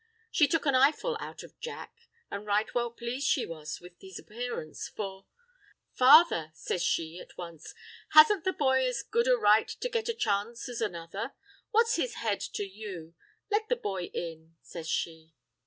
She took an eyeful out of Jack, an' right well plaised she was with his appearance, for— "Father," says she at once, "hasn't the boy as good a right to get a chance as another? What's his head to you? Let the boy in," says she.